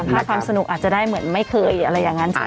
ถ้าความสนุกอาจจะได้เหมือนไม่เคยอะไรอย่างนั้นใช่ไหม